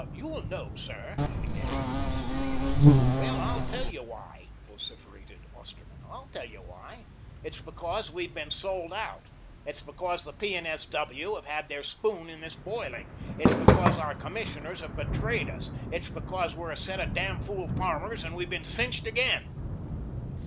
"You'll know, sir " began Lyman. "Well, I'll tell you why," vociferated Osterman. "I'll tell you why. It's because we have been sold out. It's because the P. and S. W. have had their spoon in this boiling. It's because our commissioners have betrayed us. It's because we're a set of damn fool farmers and have been cinched again."